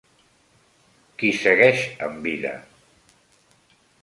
Qui segueix amb vida?